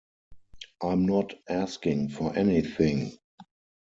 I'm not asking for anythin.